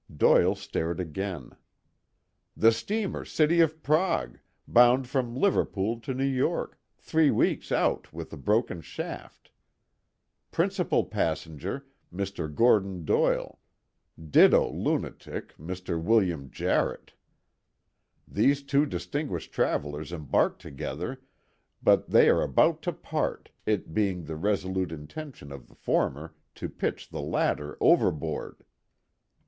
Doyle stared again. "The steamer City of Prague, bound from Liverpool to New York, three weeks out with a broken shaft. Principal passenger, Mr. Gordon Doyle; ditto lunatic, Mr. William Jarrett. These two distinguished travelers embarked together, but they are about to part, it being the resolute intention of the former to pitch the latter overboard."